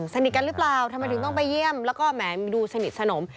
สนิทกันหรือเปล่าทำไมถึงต้องไปเยี่ยมแล้วก็แหมดูสนิทสนม